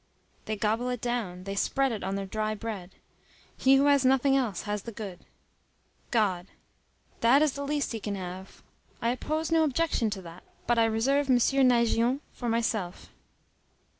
They gobble it down. They spread it on their dry bread. He who has nothing else has the good God. That is the least he can have. I oppose no objection to that; but I reserve Monsieur Naigeon for myself.